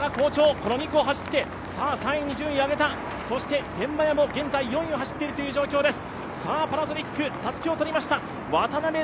川村が好調、この２区を走って３位に順位を上げた、天満屋も現在４位を走っている状況です。